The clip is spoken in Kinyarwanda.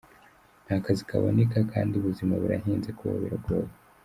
Nta kazi kaboneka kandi ubuzima burahenze kubaho biragoye.